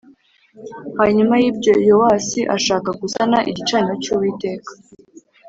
Hanyuma y ibyo Yowasi ashaka gusana igicaniro cy’uwiteka